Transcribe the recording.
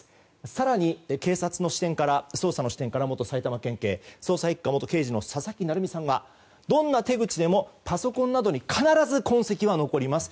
更に、警察の捜査視点から元埼玉県警捜査１課元刑事の佐々木成三さんはどんな手口でもパソコンなどに必ず痕跡は残ります。